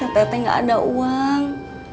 teteh gak ada uang